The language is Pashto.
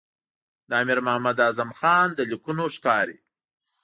د امیر محمد اعظم خان له لیکونو ښکاري.